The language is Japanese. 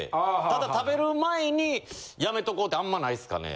ただ食べる前にやめとこうってあんまないっすかね。